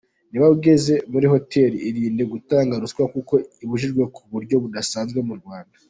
Niba ugeze muri hoteli, irinde gutanga ruswa kuko ibujijwe ku buryo budasanzwe mu Rwanda.